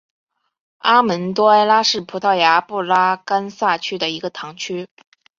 阿门多埃拉是葡萄牙布拉干萨区的一个堂区。